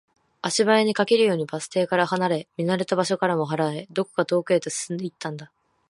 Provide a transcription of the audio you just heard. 足早に、駆けるようにバス停から離れ、見慣れた場所からも離れ、どこか遠くへと進んでいったんだ